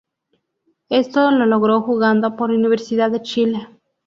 Esto lo logró jugando por Universidad de Chile.